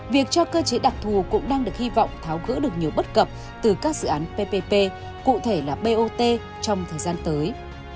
việc cho cơ chế đặc thù cũng đang được hy vọng tháo gỡ được nhiều bất cập từ các dự án ppp cụ thể là bot trong thời gian tới